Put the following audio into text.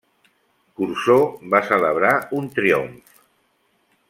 Cursor va celebrar un triomf.